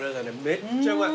めっちゃうまい。